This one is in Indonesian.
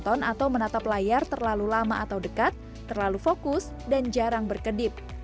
karena mata kita bisa menonton atau menatap layar terlalu lama atau dekat terlalu fokus dan jarang berkedip